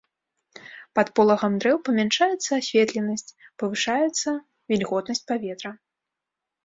Пад полагам дрэў памяншаецца асветленасць, павышаецца вільготнасць паветра.